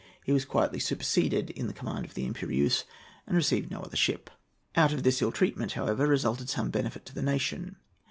He was quietly superseded in the command of the Impérieuse, and received no other ship. Out of this ill treatment, however, resulted some benefit to the nation.